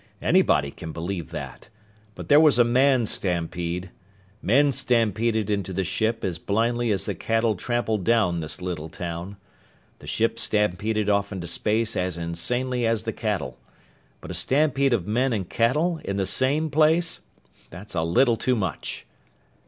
Anybody can believe that! But there was a man stampede. Men stampeded into the ship as blindly as the cattle trampled down this little town. The ship stampeded off into space as insanely as the cattle. But a stampede of men and cattle, in the same place? That's a little too much!"